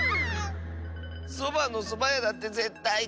「そばのそばや」だってぜったいこわいよ